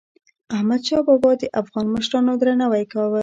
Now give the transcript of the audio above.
احمدشاه بابا د افغان مشرانو درناوی کاوه.